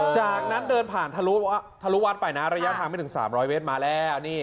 จากนั้นเดินผ่านทะลุวัดไปนะระยะทางไม่ถึง๓๐๐เมตรมาแล้ว